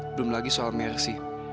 belum lagi soal mercy